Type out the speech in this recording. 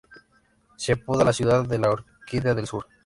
Se apoda la "ciudad de la orquídea del sur".